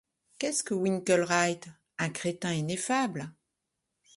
Qu'est-ce que Winkelried ? un crétin ineffable.